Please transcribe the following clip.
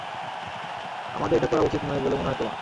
আমাদের এটা করা উচিৎ নয় বলে মনে হয় তোমার।